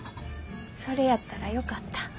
それやったらよかった。